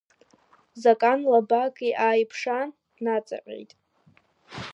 Закан лабак ааиԥшаан, днаҵаҟьеит.